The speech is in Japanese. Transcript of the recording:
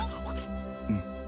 うん。